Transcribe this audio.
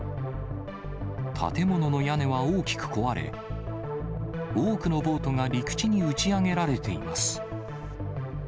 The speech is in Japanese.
建物の屋根は大きく壊れ、多くのボートが陸地に打ち上げられています。